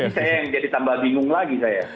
saya yang jadi tambah bingung lagi saya